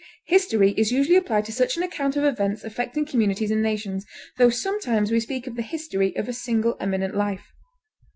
History is usually applied to such an account of events affecting communities and nations, tho sometimes we speak of the history of a single eminent life.